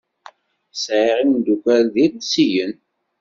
Sɛiɣ imeddukal d irusiyen.